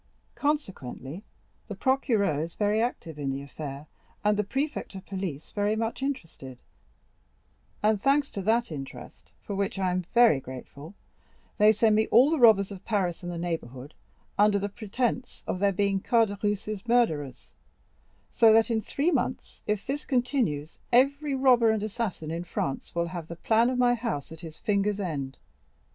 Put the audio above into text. Consequently, the procureur is very active in the affair, and the prefect of police very much interested; and, thanks to that interest, for which I am very grateful, they send me all the robbers of Paris and the neighborhood, under pretence of their being Caderousse's murderers, so that in three months, if this continues, every robber and assassin in France will have the plan of my house at his fingers' ends.